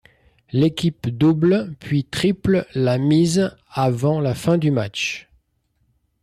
L'équipe double puis triple la mise avant la fin du match.